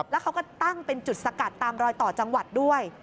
แล้วเขาก็ตั้งเป็นจุดสกัดตามรอยต่อจังหวัดด้วย